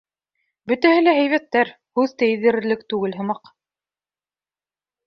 Бөтәһе лә һәйбәттәр, һүҙ тейҙерерлек түгел һымаҡ.